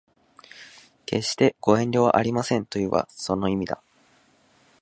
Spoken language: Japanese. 決してご遠慮はありませんというのはその意味だ